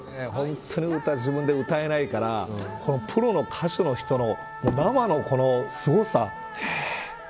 自分で歌えないからプロの歌手の人の生のすごさ。